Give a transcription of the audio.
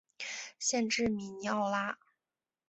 县治米尼奥拉。